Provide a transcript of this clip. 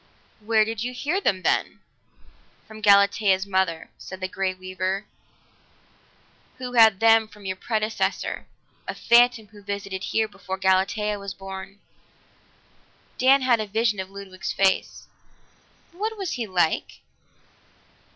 "Where did you hear them, then?" "From Galatea's mother," said the Grey Weaver, "who had them from your predecessor a phantom who visited here before Galatea was born." Dan had a vision of Ludwig's face. "What was he like?"